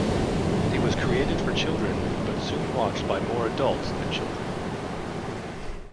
It was created for children, but soon watched by more adults than children.